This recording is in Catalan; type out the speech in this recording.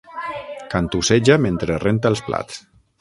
Cantusseja mentre renta els plats.